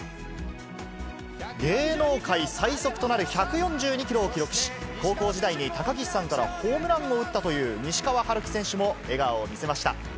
芸能界最速となる１４２キロを記録し、高校時代に高岸さんからホームランを打ったという西川遥輝選手も笑顔を見せました。